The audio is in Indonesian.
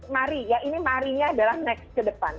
mari ya ini marinya adalah next ke depan